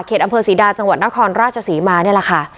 อำเภอศรีดาจังหวัดนครราชศรีมานี่แหละค่ะ